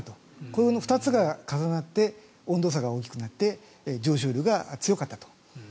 この２つが重なって温度差が大きくなって上昇気流が強かったと。